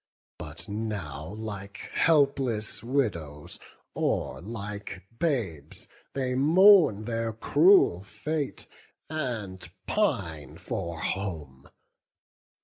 But now, like helpless widows, or like babes, They mourn their cruel fate, and pine for home.